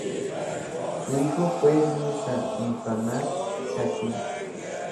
Su hijo fue Mirza Muhammad Hakim.